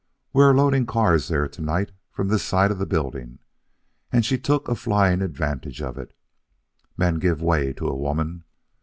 We are loading cars to night from this side of the building, and she took a flying advantage of it. Men give way to a woman.